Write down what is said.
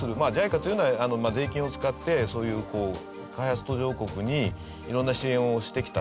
まあＪＩＣＡというのは税金を使ってそういう開発途上国に色んな支援をしてきた組織なんですけど。